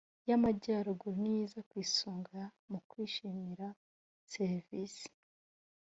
y amajyaruguru niyo iza ku isonga mu kwishimira serivisi